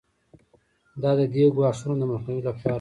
دا د دې ګواښونو د مخنیوي لپاره وو.